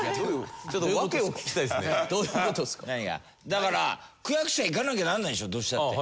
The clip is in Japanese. だから区役所は行かなきゃならないでしょどうしたって。